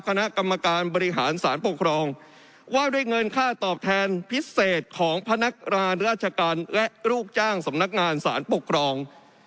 คณะกรรมการบริหารสารปกครองว่าด้วยเงินค่าตอบแทนพิเศษของพนักงานราชการและลูกจ้างสำนักงานสารปกครอง